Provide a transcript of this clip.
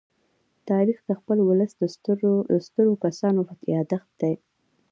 تاریخ د خپل ولس د سترو کسانو يادښت دی.